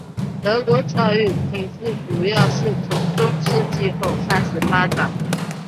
德国教育体制主要是从中世纪后开始发展。